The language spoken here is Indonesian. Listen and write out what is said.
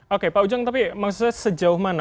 oke pak ujang tapi maksudnya sejauh mana